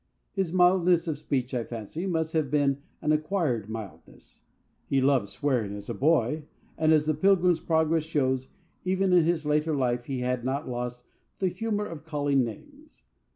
His mildness of speech, I fancy, must have been an acquired mildness. He loved swearing as a boy, and, as The Pilgrim's Progress shows, even in his later life he had not lost the humour of calling names.